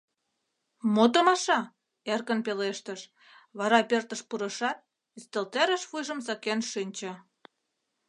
— Мо томаша?.. — эркын пелештыш, вара пӧртыш пурышат, ӱстелтӧрыш вуйжым сакен шинче...